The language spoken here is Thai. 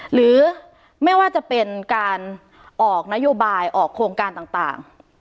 หรือไม่ว่าจะเป็นการออกนโยบายออกโครงการต่าง